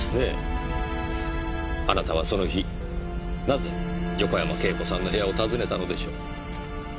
あなたはその日なぜ横山慶子さんの部屋を訪ねたのでしょう。